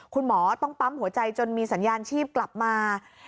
คุณหมอต้องปั๊มหัวใจจนมีสัญญาณชีพกลับมา